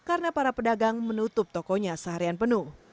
karena para pedagang menutup tokonya seharian penuh